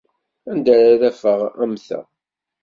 Anda ara afeɣ am ta?